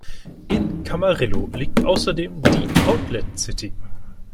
In Camarillo liegt außerdem die „Outlet City“.